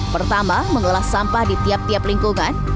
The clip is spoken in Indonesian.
pertama mengolah sampah di tiap tiap lingkungan